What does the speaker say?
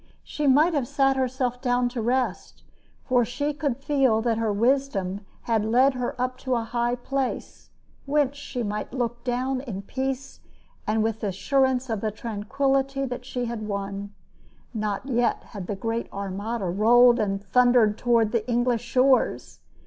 She might have sat herself down to rest; for she could feel that her wisdom had led her up into a high place, whence she might look down in peace and with assurance of the tranquillity that she had won. Not yet had the great Armada rolled and thundered toward the English shores.